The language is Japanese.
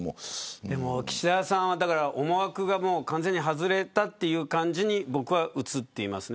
岸田さんは思惑が完全に外れたという感じに僕は映っています。